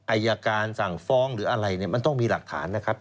อายการสั่งฟ้องหรืออะไรเนี่ยมันต้องมีหลักฐานนะครับ